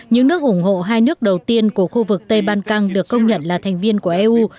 những nước ủng hộ hai nước đầu tiên của khu vực tây ban căng được công nhận là thành viên của eu